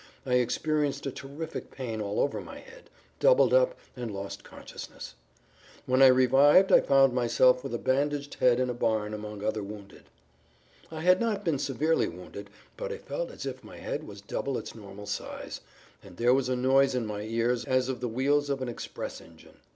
I experienced a terrific pain all over my head, doubled up, and lost consciousness. When I revived I found myself with a bandaged head in a barn among other wounded. I had not been severely wounded, but I felt as if my[Pg 15] head was double its normal size, and there was a noise in my ears as of the wheels of an express engine.